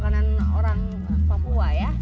ini adalah kelasnya dari papua ya